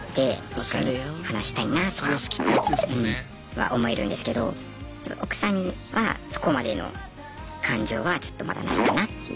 一緒に話したいなとか思えるんですけど奥さんにはそこまでの感情はちょっとまだないかなっていう。